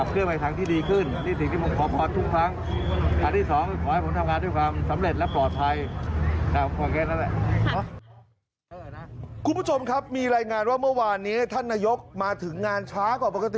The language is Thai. คุณผู้ชมครับมีรายงานว่าเมื่อวานนี้ท่านนายกมาถึงงานช้ากว่าปกติ